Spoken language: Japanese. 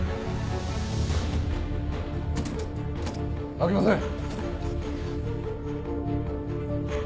開きません。